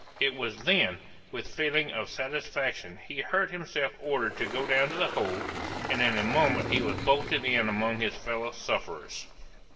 It was then with feelings of satisfaction he heard himself ordered to go down to the hold, and in a moment he was bolted in among his fellow sufferers.